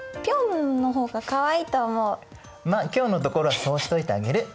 まあ今日のところはそうしておいてあげる。